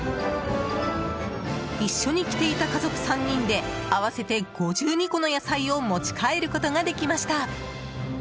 一緒に来ていた家族３人で合わせて５２個の野菜を持ち帰ることができました。